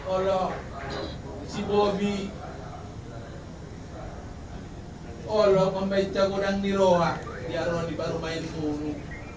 olo si bobi olo pembicakudang niroa diarun di barumain kuno